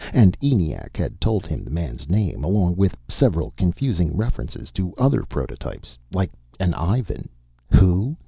And ENIAC had told him the man's name, along with several confusing references to other prototypes like an Ivan (who?)